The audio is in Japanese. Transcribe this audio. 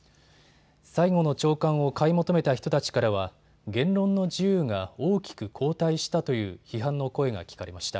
最後の朝刊を買い求めた人たちからは言論の自由が大きく後退したという批判の声が聞かれました。